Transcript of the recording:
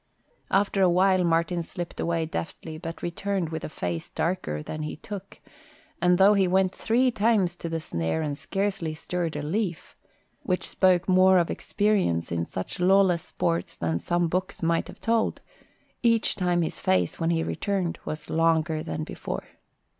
After a while Martin slipped away deftly but returned with a face darker than he took, and though he went three times to the snare and scarcely stirred a leaf, which spoke more of experience in such lawless sports than some books might have told, each time his face, when he returned, was longer than before.